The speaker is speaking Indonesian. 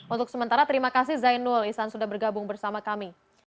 untuk sementara terima kasih zainul isan sudah bergabung bersama kami